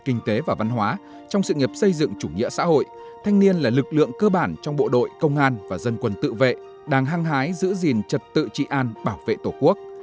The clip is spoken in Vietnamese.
trong sự nghiệp xây dựng kinh tế và văn hóa trong sự nghiệp xây dựng chủ nghĩa xã hội thanh niên là lực lượng cơ bản trong bộ đội công an và dân quân tự vệ đang hăng hái giữ gìn trật tự trị an bảo vệ tổ quốc